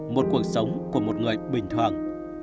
một cuộc sống của một người bình thường